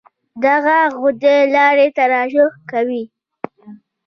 دغه غدې لاړې ترشح کوي.